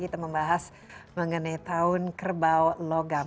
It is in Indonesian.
kita membahas mengenai tahun kerbau logam